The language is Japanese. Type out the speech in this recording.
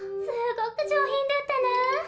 すごく上品だったなぁ。